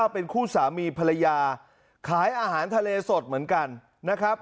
เป็นคู่สามีภรรยาขายอาหารทะเลสดเหมือนกันนะครับ